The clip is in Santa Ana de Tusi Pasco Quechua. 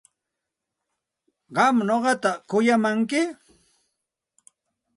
¿Qam nuqata kuyamanki?